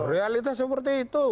realitas seperti itu